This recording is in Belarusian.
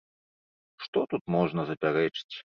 Што тут можна запярэчыць?